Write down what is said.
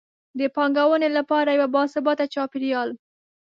د پانګونې لپاره یو باثباته چاپیریال.